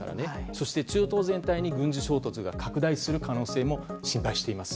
そして、中東全体に軍事衝突が拡大する可能性も心配しています。